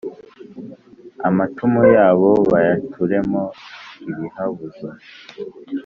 amacumu yabo bayacuremo ibihabuzo.